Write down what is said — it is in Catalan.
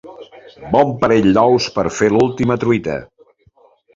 Bon parell d’ous per fer l’última truita.